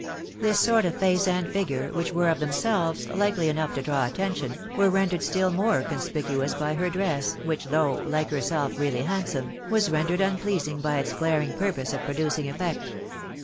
This sort of face and figure, which were of themselves likely enough to draw attention, were rendered •till more 'Conspicuous by iter duets, which, though, like her ■self really handsome, was rendered unpleaaing by its glaring purpose of producing effect.